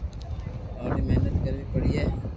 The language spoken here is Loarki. ٿوري مھنت ڪروي پڙئي